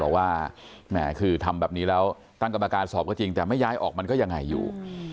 แหมคือทำแบบนี้แล้วตั้งกรรมการสอบก็จริงแต่ไม่ย้ายออกมันก็ยังไงอยู่